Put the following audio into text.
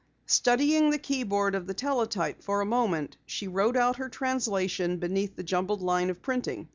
Studying the keyboard of the teletype for a moment, she wrote out her translation beneath the jumbled line of printing.